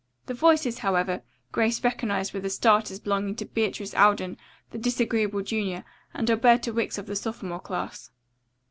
The voices, however, Grace recognized with a start as belonging to Beatrice Alden, the disagreeable junior, and Alberta Wicks of the sophomore class.